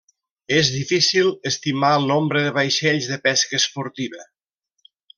És difícil estimar el nombre de vaixells de pesca esportiva.